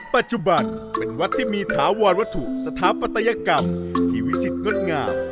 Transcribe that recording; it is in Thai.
ปัจจุบันเป็นวัดที่มีถาวรวัตถุสถาปัตยกรรมที่วิจิตรงดงาม